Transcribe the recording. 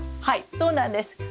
はいそうなんです。